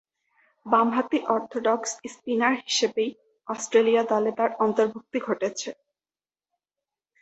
বামহাতি orthodox spinner হিসেবেই Australia দলে তার অন্তর্ভুক্তি ঘটেছে।